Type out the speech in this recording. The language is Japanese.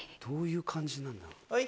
どういう感じなんだろう？